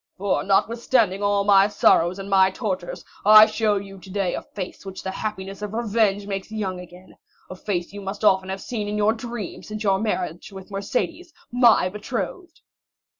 For, notwithstanding all my sorrows and my tortures, I show you today a face which the happiness of revenge makes young again—a face you must often have seen in your dreams since your marriage with Mercédès, my betrothed!"